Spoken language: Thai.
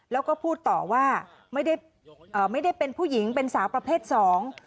แล้วก็พูดต่อว่าไม่ได้เอ่อไม่ได้เป็นผู้หญิงเป็นสาวประเภทสอง